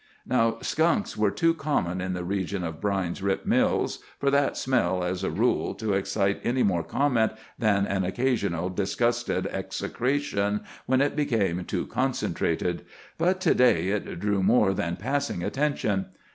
Now skunks were too common in the region of Brine's Rip Mills for that smell, as a rule, to excite any more comment than an occasional disgusted execration when it became too concentrated. But to day it drew more than passing attention.